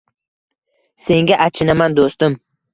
Senga achinaman, do`stim